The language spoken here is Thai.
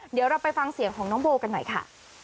เดี๋ยวเราไปฟังเสียงของน้องโบกันหน่อยค่ะ